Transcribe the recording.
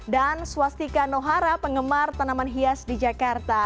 dan swastika nohara penggemar tanaman hias di jakarta